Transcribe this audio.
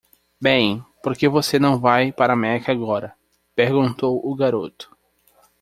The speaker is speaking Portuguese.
"Bem? por que você não vai para Meca agora??" Perguntou o garoto.